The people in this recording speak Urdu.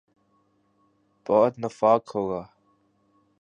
بہت نفاق ہو گا۔